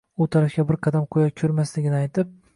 u tarafga bir qadam qo'ya ko'rmasligini aytib